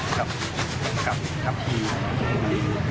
ทีนี้ยำยังไม่มีใครเอามาเสียงของผม